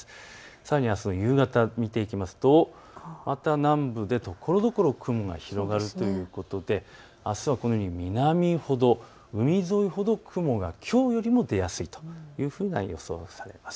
さらにあすの夕方を見ていきますとまた南部でところどころ雲が広がるということであすは南ほど、海沿いほど、雲がきょうよりよりも出やすいというふうな予想がされます。